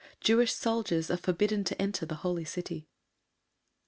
JEWISH SOLDIERS ARE FORBIDDEN TO ENTER THE HOLY CITY.